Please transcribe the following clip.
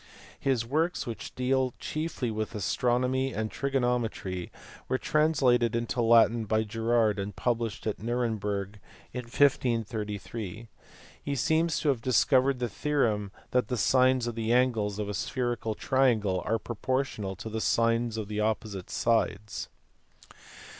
His works, which deal chiefly with astro nomy and trigonometry, were translated into Latin by Gerard and published at Nuremberg in 1533. He seems to have dis covered the theorem that the sines of the angles of a spherical triangle are proportional to the sines of the opposite sides.